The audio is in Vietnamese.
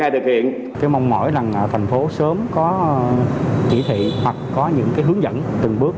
thành phố sớm có chỉ thị hoặc có những hướng dẫn từng bước